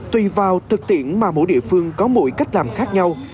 tùy vào thực tiễn mà mỗi địa phương có mỗi cách làm khác nhau